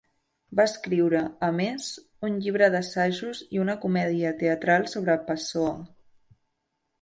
Va escriure, a més, un llibre d'assajos i una comèdia teatral sobre Pessoa.